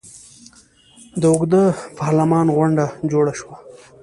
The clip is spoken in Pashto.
د اوږده پارلمان غونډه جوړه شوه.